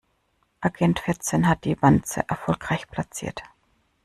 Agent vierzehn hat die Wanze erfolgreich platziert.